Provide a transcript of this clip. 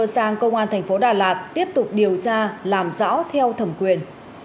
sang công an thành phố đà lạt tiếp tục điều tra làm rõ theo thẩm quyền